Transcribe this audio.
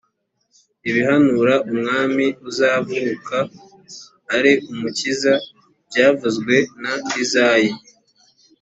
ibihanura umwami uzavuka ari umukiza byavuzwe na izayi